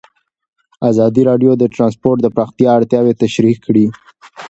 ازادي راډیو د ترانسپورټ د پراختیا اړتیاوې تشریح کړي.